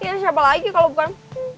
ya siapa lagi kalau bukan